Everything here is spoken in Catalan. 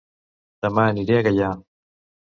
Dema aniré a Gaià